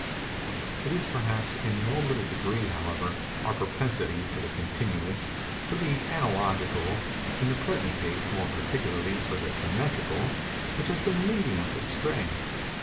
It is, perhaps, in no little degree, however, our propensity for the continuous—for the analogical—in the present case more particularly for the symmetrical—which has been leading us astray.